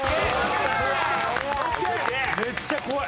めっちゃ怖い。